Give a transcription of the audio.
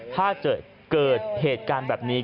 ถ้าเกิดเกิดเหตุการณ์แบบนี้